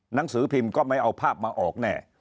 หนังสือพิมพ์ก็ไม่เอาภาพมาออกแน่